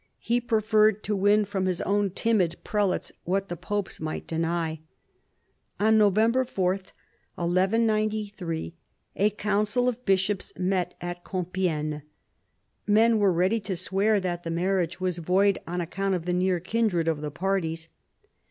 He preferred to win from his own timid prelates what the popes might deny. On November 4, 1193, a council of bishops met at Compi&gne. Men were ready to swear that the marriage was void on account of the near kindred of the parties.